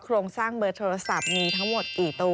โครงสร้างเบอร์โทรศัพท์มีทั้งหมดกี่ตัว